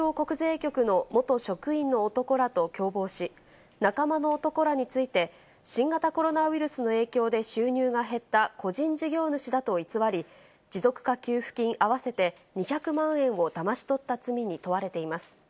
佐藤凜果被告は、東京国税局の元職員の男らと共謀し、仲間の男らについて、新型コロナウイルスの影響で収入が減った個人事業主だと偽り、持続化給付金合わせて２００万円をだまし取った罪に問われています。